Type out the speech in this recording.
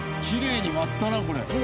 きれいに割ったなこれ。